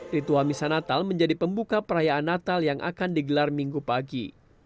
ritual misa natal menjadi pembuka perayaan natal yang akan digelar minggu pagi